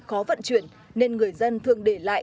khó vận chuyển nên người dân thường để lại